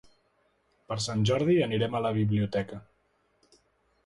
Per Sant Jordi anirem a la biblioteca.